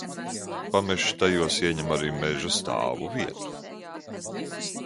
Pamežs tajos ieņem arī meža stāvu vietu.